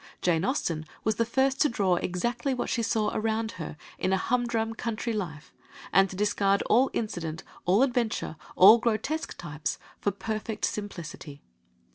Jane Austen was the first to draw exactly what she saw around her in a humdrum country life, and to discard all incident, all adventure, all grotesque types, for perfect simplicity.